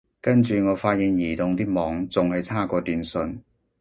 跟住我發現移動啲網仲係差過電信